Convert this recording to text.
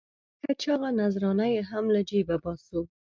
ښه چاغه نذرانه یې هم له جېبه باسو.